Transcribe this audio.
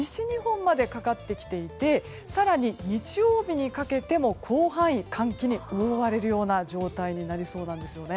日本までかかってきていて更に、日曜日にかけても広範囲が寒気に覆われるような状態になりそうです。